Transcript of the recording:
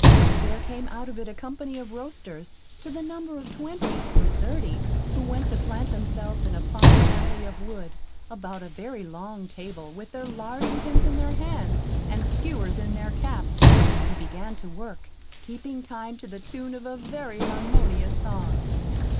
There came out of it a company of roasters, to the number of twenty, or thirty, who went to plant themselves in a fine alley of wood, about a very long table, with their larding pins in their hands, and skewers in their caps, who began to work, keeping time, to the tune of a very harmonious song.